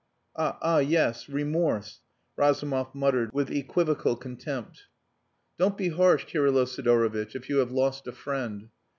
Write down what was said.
Ah yes! Remorse," Razumov muttered, with equivocal contempt. "Don't be harsh, Kirylo Sidorovitch, if you have lost a friend."